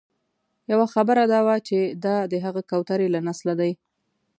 یوه خبره دا وه چې دا د هغه کوترې له نسله دي.